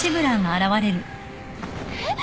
えっ！？